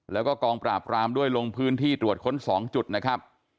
แล้วก็กองปราบรามด้วยลงพื้นที่ตรวจค้น๒จุดนะครับ